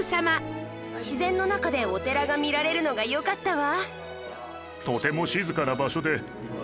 自然の中でお寺が見られるのがよかったわ。